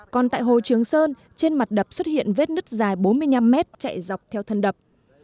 còn tại hồ trường sơn trên mặt đập xuất hiện vết nứt dài bốn mươi năm mét chạy dọc theo thân đập